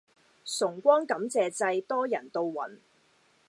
崇光感謝祭多人到暈